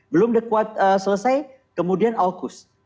belum the quad selesai kemudian al qaeda